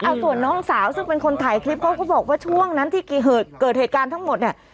เอาส่วนน้องสาวซึ่งเป็นคนถ่ายคลิปเขาก็บอกว่าช่วงนั้นที่เกิดเหตุการณ์ทั้งหมดเนี่ย